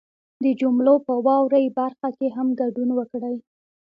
د جملو په واورئ برخه کې هم ګډون وکړئ